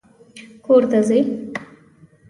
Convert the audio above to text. کور ته ځې؟